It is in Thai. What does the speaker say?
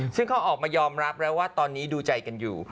ซึ่งเขาออกมายอมรับแล้วว่าตอนนี้ดูใจกันอยู่